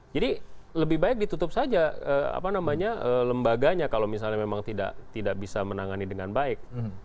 jadi lebih baik ditutup saja apa namanya lembaganya kalau misalnya memang tidak bisa menangani dengan baik